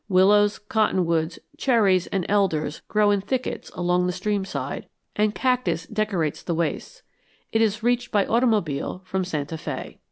Willows, cottonwoods, cherries, and elders grow in thickets along the stream side, and cactus decorates the wastes. It is reached by automobile from Santa Fé.